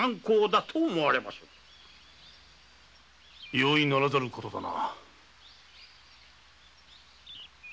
容易ならざる事だな。